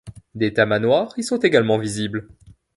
Des tamanoirs y sont également visibles.